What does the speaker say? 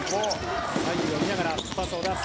サインを見ながらパスを出す。